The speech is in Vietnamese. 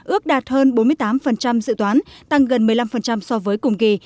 ước đạt hơn bốn mươi tám dự toán tăng gần một mươi năm so với cùng kỳ